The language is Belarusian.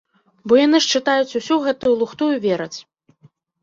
Бо яны ж чытаюць усю гэтую лухту і вераць.